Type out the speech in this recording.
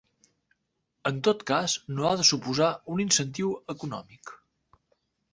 En tot cas, no ha de suposar un incentiu econòmic.